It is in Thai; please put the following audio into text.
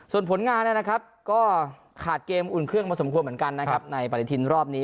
ส่วนผลงานก็ขาดเกมอุ่นเครื่องมาสมควรเหมือนกันในปริธินรอบนี้